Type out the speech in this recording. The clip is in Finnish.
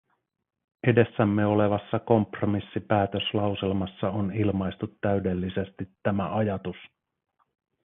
Edessämme olevassa kompromissipäätöslauselmassa on ilmaistu täydellisesti tämä ajatus.